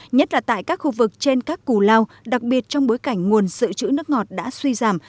nhất là tại các khu vực trên các cù lao đặc biệt trong bối cảnh nguồn sự chữ nước ngọt đã suy giảm